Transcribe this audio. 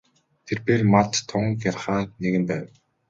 Тэрбээр малд тун гярхай нэгэн байв.